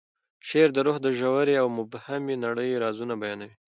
شعر د روح د ژورې او مبهمې نړۍ رازونه بیانوي.